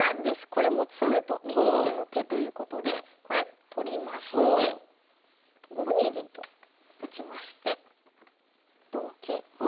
これもう詰むと見切っての手ということでこれ取りまして５二銀と打ちまして同金。